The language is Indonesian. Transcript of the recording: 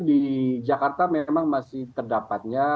di jakarta cukup emang masih terdapat nya